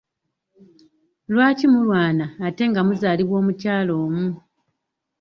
Lwaki mulwana ate nga muzaalibwa omukyala omu?